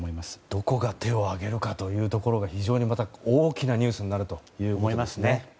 どこが手を挙げるかが非常に大きなニュースになると思いますね。